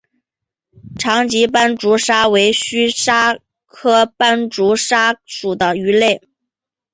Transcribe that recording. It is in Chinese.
长鳍斑竹鲨为须鲨科斑竹鲨属的鱼类。